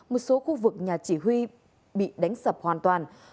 một số khu vực nhà chỉ huy bị đánh sập hoàn toàn